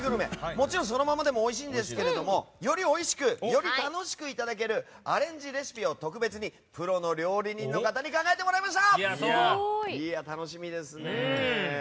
もちろんそのままでもおいしいんですけれどもよりおいしくより楽しくいただけるアレンジレシピを特別にプロの料理人の方に考えてもらいました！